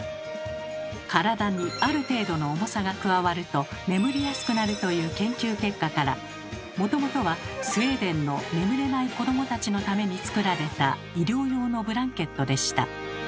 体にある程度の重さが加わると眠りやすくなるという研究結果からもともとはスウェーデンの眠れない子どもたちのために作られた医療用のブランケットでした。